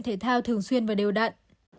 thể thao thường xuyên và đều đặn